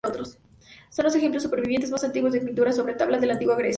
Son los ejemplos supervivientes más antiguos de pintura sobre tabla de la Antigua Grecia.